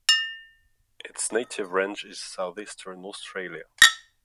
Its native range is Southeastern Australia.